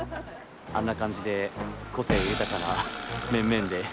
あんな感じで個性豊かな面々で。